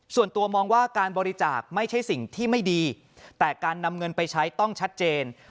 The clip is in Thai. ส่วนตัวมองว่าการบริจาคไม่ใช่สิ่งที่ไม่ดีแต่การนำเงินไปใช้ต้องชัดเจน